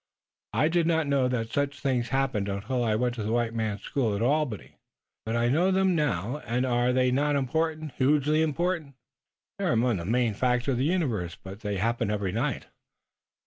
I did not know that such things happened until I went to the white man's school at Albany, but I know them now, and are they not important, hugely important?" "They're among the main facts of the universe, but they happen every night."